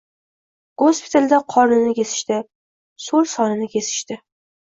Gospitalda qornini kesishdi, so‘l sonini kesishdi.